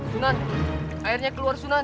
sunan airnya keluar sunan